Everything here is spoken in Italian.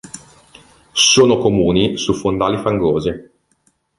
Sono comuni su fondali fangosi.